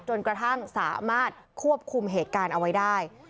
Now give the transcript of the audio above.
จนกระทั่งสามารถควบคุมเหตุการณ์เอาไว้ได้